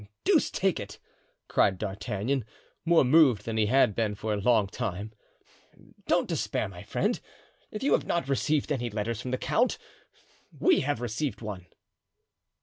"Deuce take it!" cried D'Artagnan, more moved than he had been for a long time, "don't despair, my friend, if you have not received any letters from the count, we have received one."